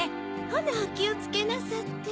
ほなおきをつけなさって。